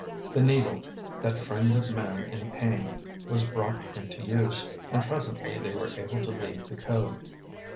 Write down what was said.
The needle, that friend of man in pain, was brought into use; and presently they were able to leave the cove.